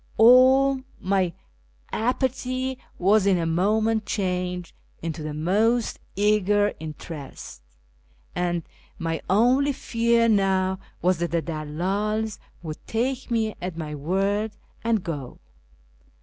All my apathy was in a moment changed into the most eager interest, and my only fear now was that the dalldls would take me at my word and go.